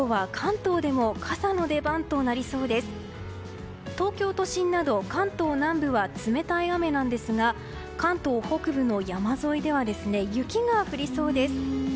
東京都心など関東南部は冷たい雨なんですが関東北部の山沿いでは雪が降りそうです。